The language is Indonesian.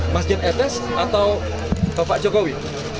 mas jan etes atau bapak jokowi